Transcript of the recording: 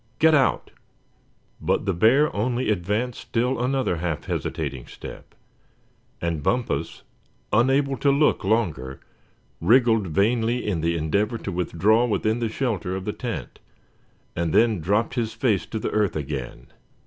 Get out!" But the bear only advanced still another half hesitating step, and Bumpus, unable to look longer, wriggled vainly in the endeavor to withdraw within the shelter of the tent, and then dropped his face to the earth again.